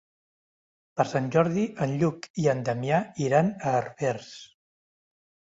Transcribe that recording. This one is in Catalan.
Per Sant Jordi en Lluc i en Damià iran a Herbers.